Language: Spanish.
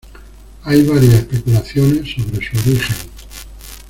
Hay varias especulaciones sobre su origen.